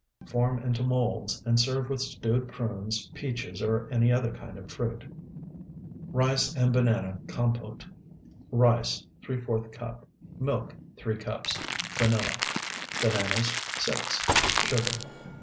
Form into molds, and serve with stewed prunes, peaches, or any other kind of fruit. RICE AND BANANA COMPOTE Rice, ¾ cup. Milk, 3 cups. Vanilla. Bananas, 6. Sugar.